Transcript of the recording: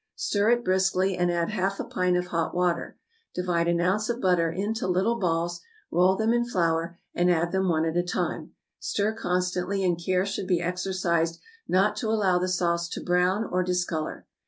Stir it briskly, and add half a pint of hot water. Divide an ounce of butter into little balls, roll them in flour, and add them one at a time; stir constantly, and care should be exercised not to allow the sauce to brown or discolor.